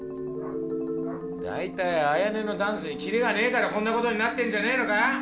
だいたい彩音のダンスにキレがねえからこんなことになってんじゃねえのか！？